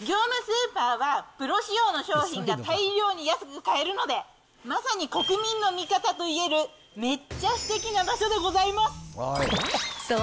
業務スーパーはプロ仕様の商品が大量に安く買えるので、まさに国民の味方といえるめっちゃすてきな場所でございます。